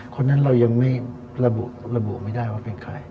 คนนั้นเรายังไม่ระบุไม่ได้ว่าเป็นใคร